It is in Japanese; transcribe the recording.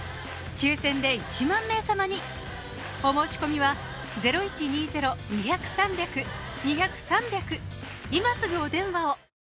抽選で１万名様にお申し込みは今すぐお電話を！